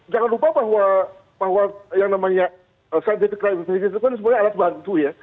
jangan lupa bahwa yang namanya scientific crime visi itu kan sebenarnya alat bantu ya